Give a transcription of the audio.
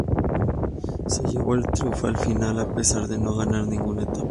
Se llevó el triunfo final, a pesar de no ganar ninguna etapa.